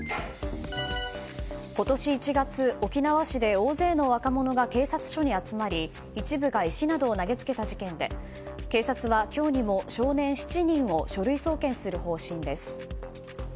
今年１月、沖縄市で大勢の若者が警察署に集まり一部が石などを投げつけた事件で警察は今日にも少年７人を書類送検する方針です。